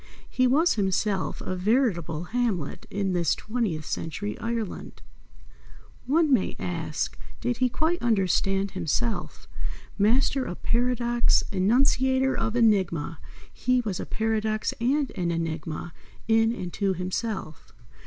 He was himself a veritable Hamlet in this twentieth century Ireland. One may ask, did he quite understand himself? Master of paradox, enunciator of enigma, he was a paradox and an enigma in, and to, himself.